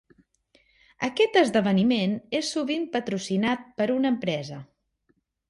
Aquest esdeveniment és sovint patrocinat per una empresa.